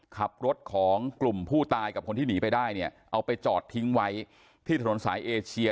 ขับรถของกลุ่มผู้ตายกับคนที่หนีไปได้เนี่ยเอาไปจอดทิ้งไว้ที่ถนนสายเอเชีย